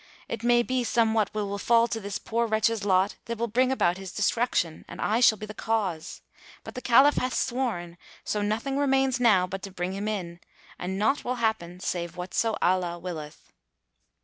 It may be somewhat will fall to this poor wretch's lot that will bring about his destruction, and I shall be the cause. But the Caliph hath sworn; so nothing remains now but to bring him in, and naught will happen save whatso Allah willeth."